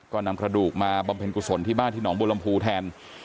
ก็นำกระดูกมาบำเพ็ญกุศลที่บ้านที่หนองบุรมภูแทน